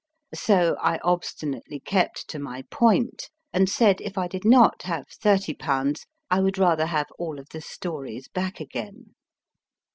So I obstinately kept to my point, and said if I did not have 3O/., I would rather have all of the stories back again.